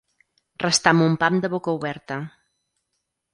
Restar amb un pam de boca oberta.